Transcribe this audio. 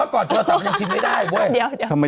เมื่อก่อนโทรศัพท์มันยังพิมพ์ไม่ได้เว้ย